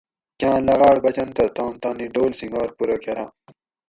کاٞں لغاٞڑ بچنت تہ توم تانی ڈول سنگار پورہ کراٞں